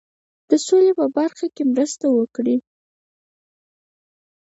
د سولي په برخه کې مرسته وکړي.